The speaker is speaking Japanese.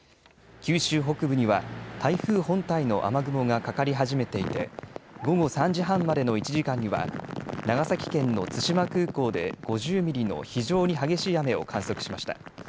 九州北部には台風本体の雨雲がかかり始めていて午後３時半までの１時間には長崎県の対馬空港で５０ミリの非常に激しい雨を観測しました。